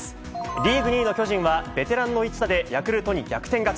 リーグ２位の巨人は、ベテランの一打でヤクルトに逆転勝ち。